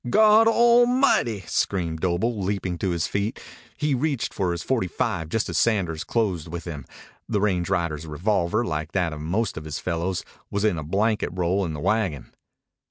"Goddlemighty!" screamed Doble, leaping to his feet. He reached for his forty five, just as Sanders closed with him. The range rider's revolver, like that of most of his fellows, was in a blanket roll in the wagon.